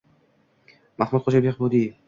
“Mahmudxo‘ja Behbudiy”